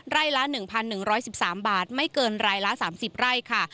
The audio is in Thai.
ละ๑๑๑๓บาทไม่เกินรายละ๓๐ไร่ค่ะ